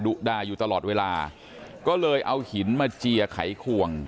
ดุดาอยู่ตลอดเวลาก็เลยเอาหินมาเจียไขควง